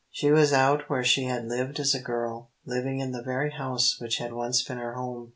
She was out where she had lived as a girl, living in the very house which had once been her home.